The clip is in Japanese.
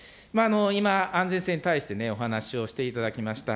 今、安全性に対してお話をしていただきました。